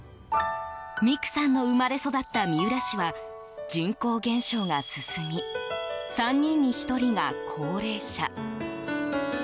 未来さんの生まれ育った三浦市は、人口減少が進み３人に１人が高齢者。